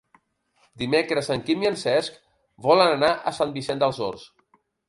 Dimecres en Quim i en Cesc volen anar a Sant Vicenç dels Horts.